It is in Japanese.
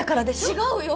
違うよ。